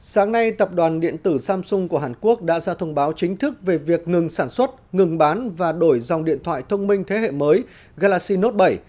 sáng nay tập đoàn điện tử samsung của hàn quốc đã ra thông báo chính thức về việc ngừng sản xuất ngừng bán và đổi dòng điện thoại thông minh thế hệ mới galaxy note bảy